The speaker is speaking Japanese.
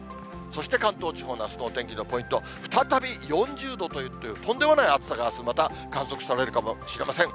そして関東地方のあすのお天気のポイント、再び４０度ということで、とんでもない暑さがあす、また観測されるかもしれません。